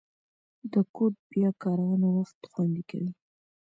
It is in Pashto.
د کوډ بیا کارونه وخت خوندي کوي.